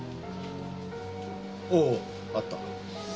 おおあった。